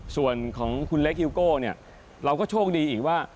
ส่วนของคุณเล็กฮิวโก้เนี่ยเราก็โชคดีอีกว่า